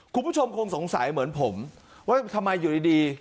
คุณผู้ชมคงสงสัยเหมือนผมว่าทำไมอยู่ดี